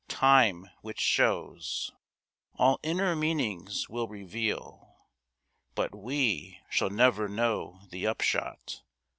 Time which shows All inner meanings will reveal, but we Shall never know the upshot.